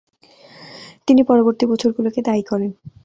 তিনি পরবর্তী বছরগুলোকে দায়ী করেন।